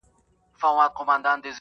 د هغه وخت حالاتو او ناورین ته په کتو